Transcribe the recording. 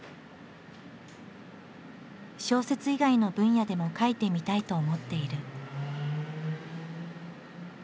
小説以外の分野でも書いてみたいと思っている。